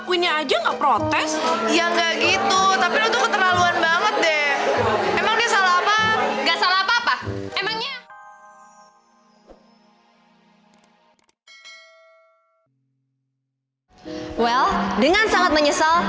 well dengan sangat menyesal